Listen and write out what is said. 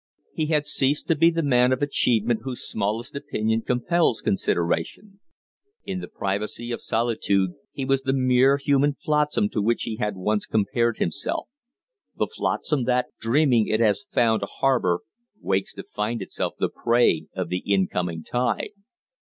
He had ceased to be the man of achievement whose smallest opinion compels consideration; in the privacy of solitude he was the mere human flotsam to which he had once compared himself the flotsam that, dreaming it has found a harbor, wakes to find itself the prey of the incoming tide.